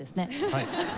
はい。